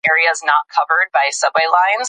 تعلیم د نوښتګرانو لپاره زمینه برابروي.